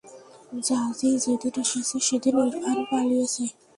জাজি যেদিন এসেছে সেদিন ইরফান পালিয়েছে।